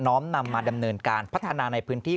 ้อมนำมาดำเนินการพัฒนาในพื้นที่